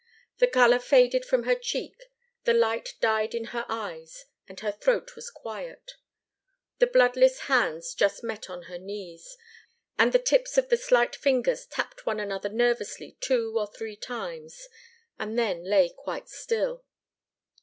The colour faded from her cheek, the light died in her eyes, and her throat was quiet. The bloodless hands just met on her knees, and the tips of the slight fingers tapped one another nervously two or three times, and then lay quite still.